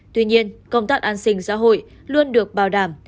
tuy nhiên công tác an sinh xã hội luôn được bảo đảm